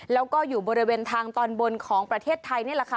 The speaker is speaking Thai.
แล้วก็อยู่บริเวณทางตอนบนของประเทศไทยนี่แหละค่ะ